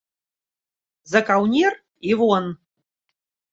За каўнер і вон.